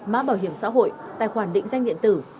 má bảo hiểm xã hội tài khoản định danh điện tử hay thông tin bưu điện